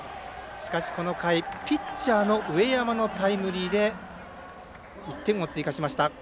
しかし、この回ピッチャーの上山のタイムリーで１点を追加しました。